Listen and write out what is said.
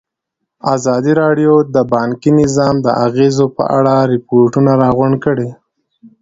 ازادي راډیو د بانکي نظام د اغېزو په اړه ریپوټونه راغونډ کړي.